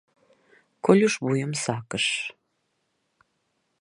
— Колюш вуйым сакыш.